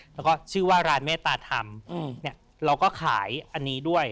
แล้วก็ชื่อว่าร้านเมตตาธรรมเราก็ขายอันนี้ด้วย